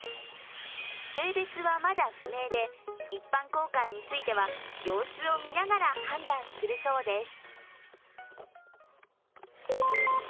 性別はまだ不明で一般公開については様子を見ながら判断するそうです。